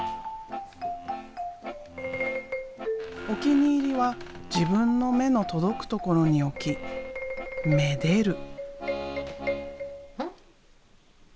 お気に入りは自分の目の届くところに置きめでる。